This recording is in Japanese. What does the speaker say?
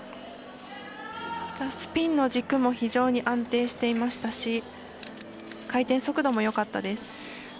スピンの軸も非常に安定していましたし回転速度もよかったです。